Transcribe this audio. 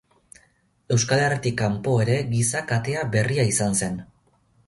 Euskal Herritik kanpo ere giza katea berria izan zen.